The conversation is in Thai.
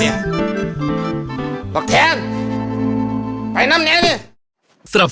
มีงานอะไรบางอย่างนะ